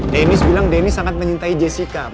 deniz bilang deniz sangat menyintai jessica